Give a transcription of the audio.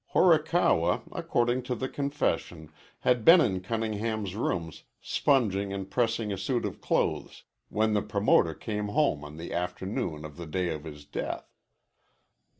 Horikawa, according to the confession, had been in Cunningham's rooms sponging and pressing a suit of clothes when the promoter came home on the afternoon of the day of his death.